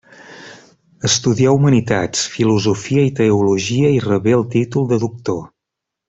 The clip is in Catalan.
Estudià humanitats, filosofia i teologia i rebé el títol de doctor.